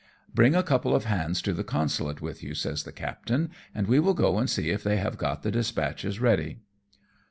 "Bring a couple of hands to the consulate with you,'' says the captain, " and we will go and see if they have got the dispatches ready.''